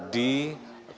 di kubu prabowo subianto